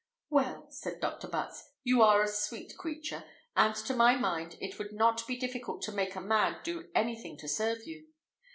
"Well," said Dr. Butts, "you are a sweet creature, and to my mind it would not be difficult to make a man do anything to serve you.